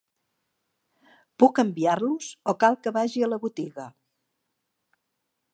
Puc enviar-los o cal que vagi a la botiga?